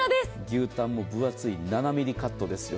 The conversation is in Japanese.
牛タンも分厚い７ｍｍカットですよ。